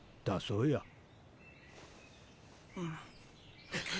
だそうや。